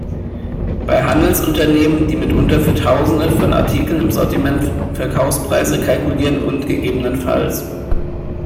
Bei "Handelsunternehmen", die mitunter für Tausende von Artikeln im Sortiment Verkaufspreise kalkulieren und ggf.